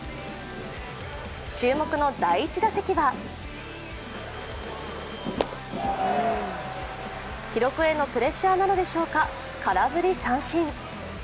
注目の第１打席は記録へのプレッシャーなのでしょうか、空振り三振。